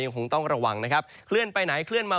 คงต้องระวังนะครับเคลื่อนไปไหนเคลื่อนมา